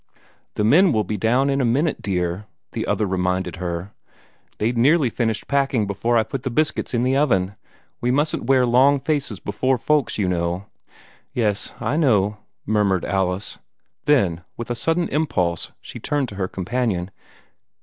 "The men will be down in a minute, dear," the other reminded her. "They'd nearly finished packing before I put the biscuits in the oven. We mustn't wear long faces before folks, you know." "Yes, I know," murmured Alice. Then, with a sudden impulse, she turned to her companion.